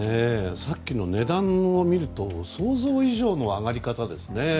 さっきの値段を見ると想像以上の上がり方ですね。